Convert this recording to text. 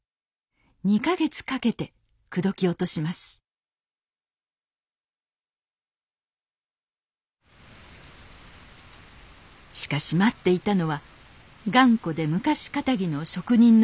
２か月かけて口説き落としますしかし待っていたのは頑固で昔かたぎの職人の世界。